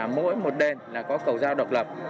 mỗi một đền là có cầu giao độc lập